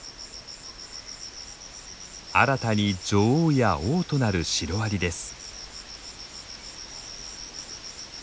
新たに女王や王となるシロアリです。